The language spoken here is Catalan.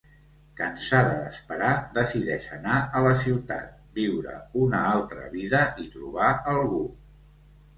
Cansada d'esperar, decideix anar a la ciutat, viure una altra vida i trobar algú.